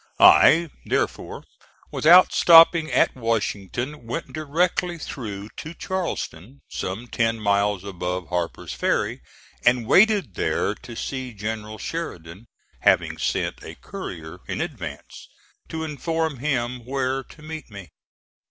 I therefore, without stopping at Washington, went directly through to Charlestown, some ten miles above Harper's Ferry, and waited there to see General Sheridan, having sent a courier in advance to inform him where to meet me.